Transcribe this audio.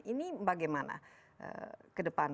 ini bagaimana ke depan